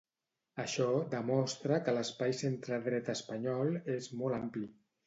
Això demostra que l'espai centredreta espanyol és molt ampli.